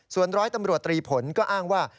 ส่วนร้อยตำรวจตรีผลก็อ้างว่า